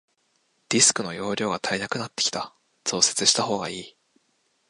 ディスクの容量が足りなくなってきた、増設したほうがいい。